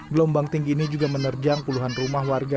gelombang tinggi ini juga menerjang puluhan rumah warga